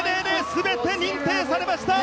全て認定されました！